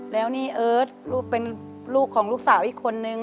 แล้วนี่เอิร์ทลูกเป็นลูกของลูกสาวอีกคนนึง